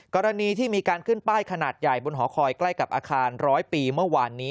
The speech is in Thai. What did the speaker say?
กรณีที่มีการขึ้นป้ายขนาดใหญ่บนหอคอยใกล้กับอาคารร้อยปีเมื่อวานนี้